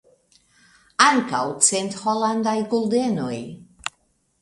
Ankaŭ cent holandaj guldenoj.